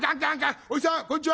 「おじさんこんちは」。